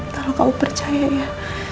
tolong kamu percaya ya